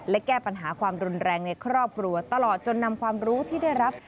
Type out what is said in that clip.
และแก้ปัญหาความรุนแรงในครอบครัวตลอดจนนำความรู้ที่ได้รับ